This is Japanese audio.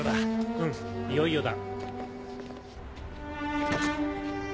うんいよいよだ。